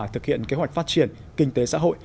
thực hiện kế hoạch phát triển kinh tế xã hội